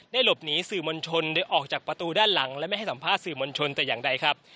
หลบหนีสื่อมวลชนได้ออกจากประตูด้านหลังและไม่ให้สัมภาษณ์สื่อมวลชนแต่อย่างใดครับ